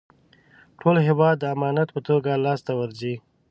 ټول هېواد د امانت په توګه لاسته ورځي.